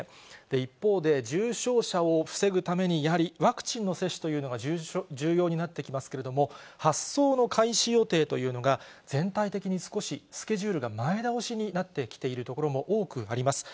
一方で、重症者を防ぐために、やはりワクチンの接種というのが重要になってきますけれども、発送の開始予定というのが、全体的に少しスケジュールが前倒しになってきている所も多くあります。